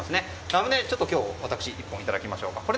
ラムネを今日私、１本いただきましょう。